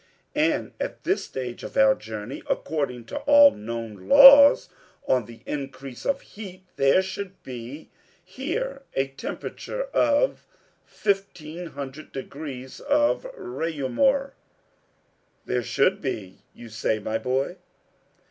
"And at this stage of our journey, according to all known laws on the increase of heat, there should be here a temperature of fifteen hundred degrees of Reaumur." "There should be you say, my boy."